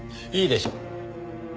いいでしょう。